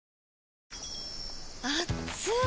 あっつい！